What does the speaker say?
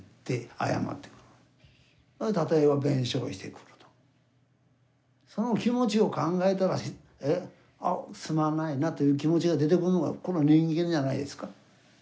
お母さんわざわざその気持ちを考えたらすまないなという気持ちが出てくるのが人間じゃないですか。